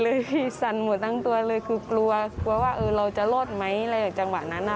เพราะว่าไปเลยสั่นหมู่ตั้งตัวเลยคือกลัวว่าเราจะลดไหมอะไรจากจังหวะนั้นค่ะ